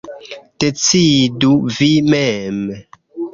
Decidu vi mem.